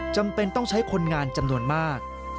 จำเป็นต้องใช้คนงานจำนวนมาก